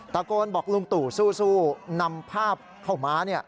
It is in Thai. ตะโกนบอกลุงตู่สู้นำภาพข่าวม้า